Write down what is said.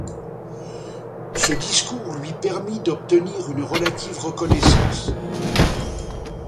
Ce discours lui permit d’obtenir une relative reconnaissance.